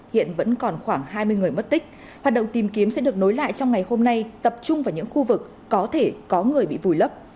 hiện vẫn còn khoảng hai mươi người mất tích hoạt động tìm kiếm sẽ được nối lại trong ngày hôm nay tập trung vào những khu vực có thể có người bị vùi lấp